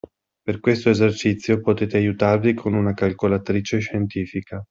Per questo esercizio potete aiutarvi con una calcolatrice scientifica.